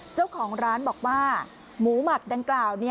เจ้าของร้านบอกว่าหมูหมักดังกล่าว